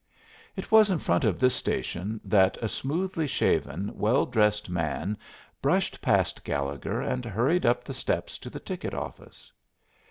It was in front of this station that a smoothly shaven, well dressed man brushed past Gallegher and hurried up the steps to the ticket office.